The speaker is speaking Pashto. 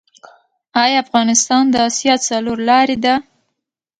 آیا افغانستان د اسیا څلور لارې ده؟